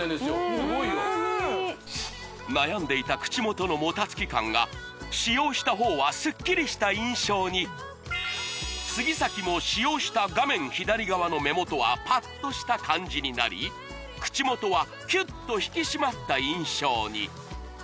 すごいよホントに悩んでいた口元のもたつき感が使用した方はすっきりした印象に杉崎も使用した画面左側の目元はパッとした感じになり口元はキュッと引き締まった印象に自分の顔がこうなるって知っちゃったら